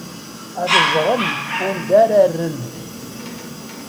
Ad ẓren anda ara rren.